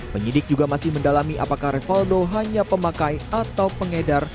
penyidik juga masih mendalami apakah revaldo hanya pemakai atau pengedar